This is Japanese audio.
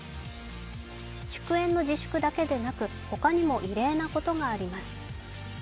祝宴の自粛だけでなく、ほかにも異例なことがあります。